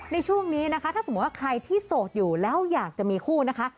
ในช่วงนี้นะคะถ้าสมมุติว่าใครที่โสดอยู่แล้วอยากจะมีคู่นะคะ